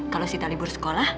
kalau kita libur sekolah